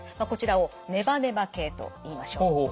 こちらをネバネバ系といいましょう。